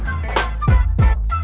dik dik yang bakal naik